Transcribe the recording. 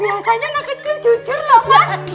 biasanya anak kecil cucur mas